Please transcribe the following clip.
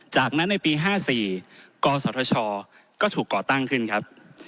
จากนั้นในปี๕๔กศธชก็ถูกก่อตั้งขึ้นครับ